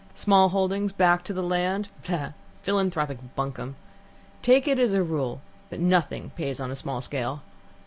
Small holdings, back to the land ah! philanthropic bunkum. Take it as a rule that nothing pays on a small scale.